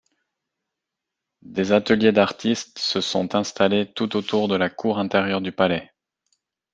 Des ateliers d'artiste se sont installés tout autour de la cour intérieure du palais.